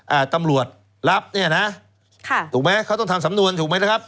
อ่าตำรวจรับเนี่ยนะค่ะถูกไหมเขาต้องทำสำนวนถูกไหมนะครับ